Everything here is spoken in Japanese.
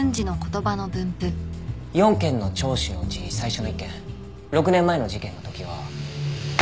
４件の聴取のうち最初の１件６年前の事件の時は。